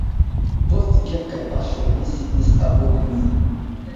Post kelkaj paŝoj li sidis apud mi.